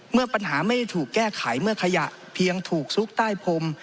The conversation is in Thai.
เมื่อปัญหาไม่ได้ถูกแก้ไขเมื่อขยะเพียงถูกซุกใต้พรม